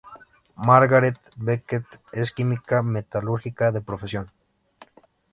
Margaret Beckett es Química Metalúrgica de profesión.